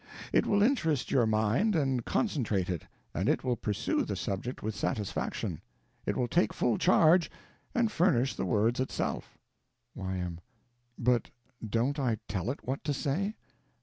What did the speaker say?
It will interest your mind and concentrate it, and it will pursue the subject with satisfaction. It will take full charge, and furnish the words itself. Y.M. But don't I tell it what to say?